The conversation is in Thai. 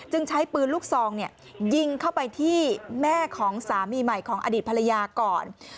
ใช้ปืนลูกซองยิงเข้าไปที่แม่ของสามีใหม่ของอดีตภรรยาก่อน